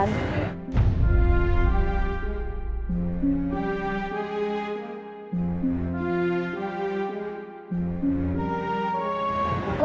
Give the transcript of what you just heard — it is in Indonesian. lo tuh cuma kasihnya